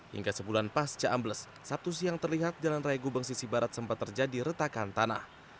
hingga sebulan pasca ambles sabtu siang terlihat jalan raya gubeng sisi barat sempat terjadi retakan tanah